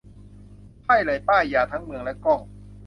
ใช่เลย ป้ายยาทั้งเมืองและกล้อง